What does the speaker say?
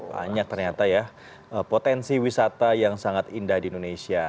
banyak ternyata ya potensi wisata yang sangat indah di indonesia